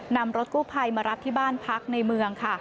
นำรถกู้ภัยมารับที่บ้านพักในเมืองค่ะ